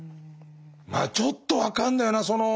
まあちょっと分かるんだよな。